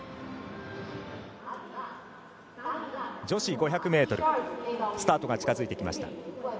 女子５００ｍスタートが近づいてきました。